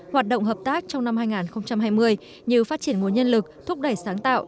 hoạt động hợp tác trong năm hai nghìn hai mươi như phát triển nguồn nhân lực thúc đẩy sáng tạo